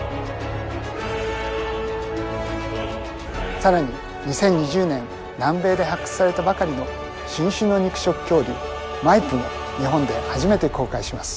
更に２０２０年南米で発掘されたばかりの新種の肉食恐竜マイプも日本で初めて公開します。